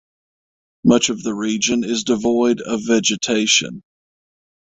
Much of the region is devoid of vegetation.